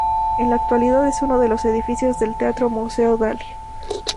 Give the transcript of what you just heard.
En la actualidad es uno de los edificios del Teatro-Museo Dalí.